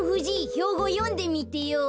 ひょうごをよんでみてよ。